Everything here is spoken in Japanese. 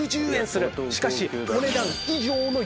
しかし。